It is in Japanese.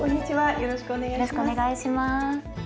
よろしくお願いします。